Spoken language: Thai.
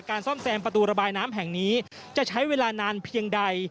ซ่อมแซมประตูระบายน้ำแห่งนี้จะใช้เวลานานเพียงใด